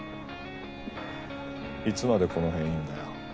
いつまでこの辺いるんだよ。